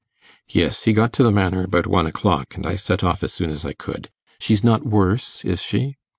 'Yes, he got to the Manor about one o'clock, and I set off as soon as I could. She's not worse, is she?